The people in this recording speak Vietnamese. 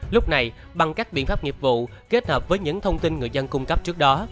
lúc này bằng các biện pháp nghiệp vụ kết hợp với những thông tin người dân cung cấp trước đó